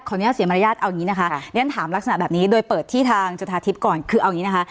ขออนุญาตเสียมารยาทถามลักษณะแบบนี้โดยเปิดที่ทางจุธาทิพย์ก่อน